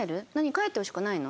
帰ってほしくないの？」。